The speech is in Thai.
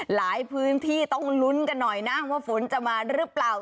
หลายพื้นที่ต้องลุ้นกันหน่อยนะว่าฝนจะมาหรือเปล่า